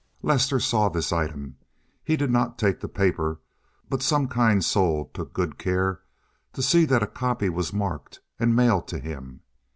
Lester saw this item. He did not take the paper, but some kind soul took good care to see that a copy was marked and mailed to him.